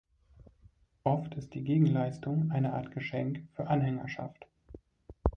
Oft ist die Gegenleistung eine Art Geschenk für Anhängerschaft.